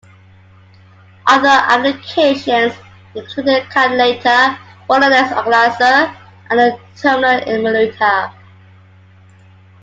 Other applications included a calculator, rolodex organiser, and a terminal emulator.